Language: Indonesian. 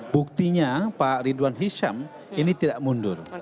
buktinya pak ridwan hisham ini tidak mundur